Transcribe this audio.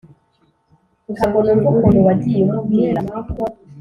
ntago numva ukuntu wagiye umubwira